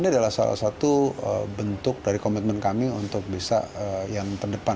ini adalah salah satu bentuk dari komitmen kami untuk bisa yang terdepan